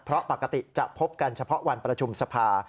เพราะปกติจะพบกันเฉพาะวันประชุมสภา